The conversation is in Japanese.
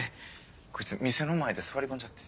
こいつ店の前で座り込んじゃって。